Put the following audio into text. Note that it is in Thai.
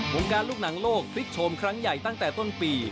การลูกหนังโลกพลิกโชมครั้งใหญ่ตั้งแต่ต้นปี